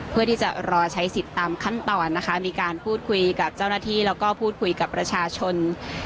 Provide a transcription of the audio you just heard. เพื่อที่จะรอใช้สิทธิ์ตามขั้นตอนนะคะมีการพูดคุยกับเจ้าหน้าที่แล้วก็พูดคุยกับประชาชน